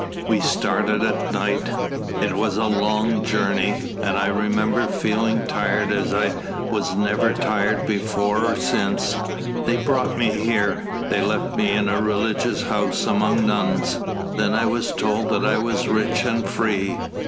We started at night. It was a long journey, and I remember feeling tired as I was never tired before or since. They brought me here, they left me in a religious house among nuns. Then I was told that I was rich and free.